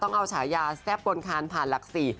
ต้องเอาฉายาแซบกลคารภาหกศิ